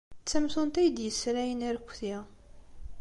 D tamtunt ay d-yessalayen arekti.